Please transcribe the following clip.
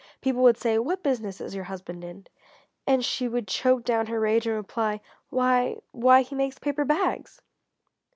People would say: "What business is your husband in?" And she would choke down her rage and reply "Why why he makes paper bags!"